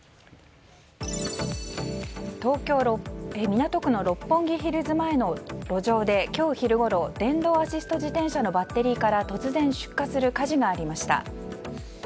東京・港区の六本木ヒルズ前の路上で今日昼ごろ電動アシスト自転車のバッテリーから突然出火する火事がありました。